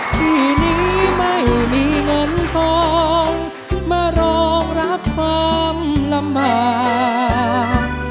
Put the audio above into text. ที่นี้ไม่มีเงินทองมารองรับความลำบาก